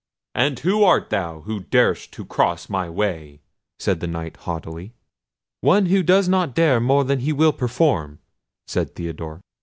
"And who art thou, who darest to cross my way?" said the Knight, haughtily. "One who does not dare more than he will perform," said Theodore.